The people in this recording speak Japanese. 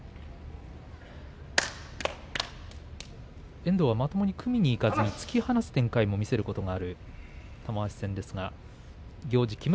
遠藤は、まともに組みにいかずに突き放す展開も見せることがある玉鷲戦です。